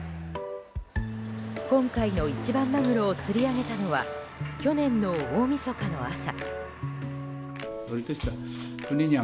今回の一番マグロを釣り上げたのは去年の大みそかの朝。